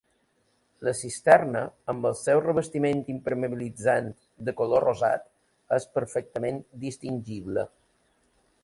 La cisterna, amb el seu revestiment impermeabilitzant de color rosat, és perfectament distingible.